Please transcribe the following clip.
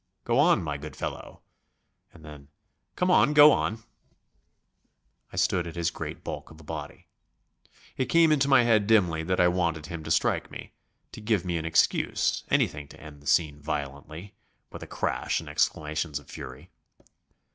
Go on, my good fellow ..." and then, "Come, go on ..." I looked at his great bulk of a body. It came into my head dimly that I wanted him to strike me, to give me an excuse anything to end the scene violently, with a crash and exclamations of fury.